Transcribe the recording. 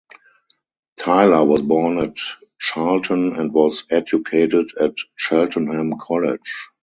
Tyler was born at Charlton and was educated at Cheltenham College.